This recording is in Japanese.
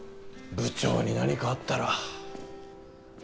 部長に何かあったら。